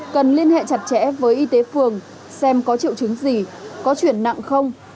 cần liên hệ chặt chẽ với y tế phường xem có triệu chứng gì có chuyển nặng không